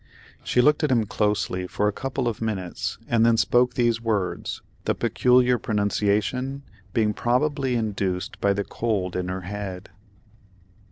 She looked at him closely for a couple of minutes, and then spoke these words—the peculiar pronunciation being probably induced by the cold in her head.